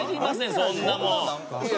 そんなもん！